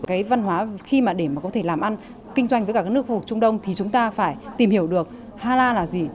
cái văn hóa khi mà để có thể làm ăn kinh doanh với các nước khu vực trung đông thì chúng ta phải tìm hiểu được hà lan là gì